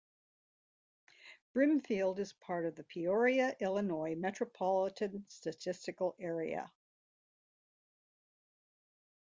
Brimfield is part of the Peoria, Illinois Metropolitan Statistical Area.